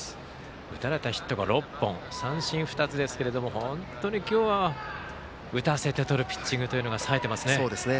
打たれたヒットが６本三振２つですけど本当に今日は打たせてとるピッチングというのがさえていますね。